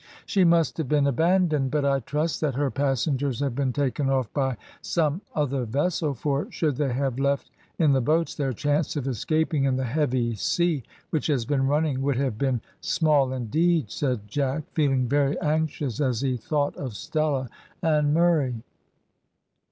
"She must have been abandoned, but I trust that her passengers have been taken off by some other vessel, for should they have left in the boats, their chance of escaping in the heavy sea which has been running would have been small indeed," said Jack, feeling very anxious as he thought of Stella and Murray.